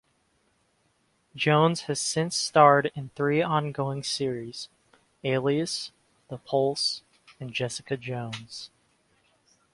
Jones has since starred in three ongoing series, "Alias", "The Pulse" and "Jessica Jones".